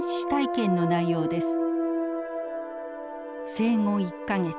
生後１か月。